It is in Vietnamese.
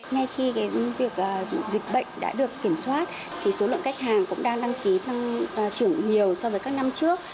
ngay khi việc dịch bệnh đã được kiểm soát thì số lượng khách hàng cũng đang đăng ký tăng trưởng nhiều so với các năm trước